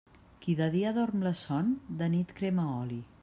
Qui de dia dorm la son, de nit crema oli.